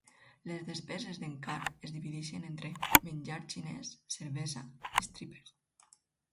Les despeses d'en Carl es divideixen entre menjar xinès, cervesa i strippers.